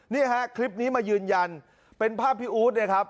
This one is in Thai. นี่ฮะคลิปนี้มายืนยันเป็นภาพพี่อู๊ดเนี่ยครับ